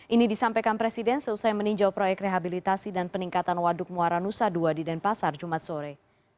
ini disampaikan presiden selesai meninjau proyek rehabilitasi dan peningkatan waduk muara nusa dua di denpasar jumat sore